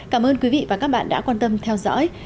cảm ơn quý vị và các bạn đã quan tâm theo dõi